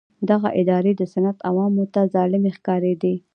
دغه ادارې د سند عوامو ته ظالمې ښکارېدې.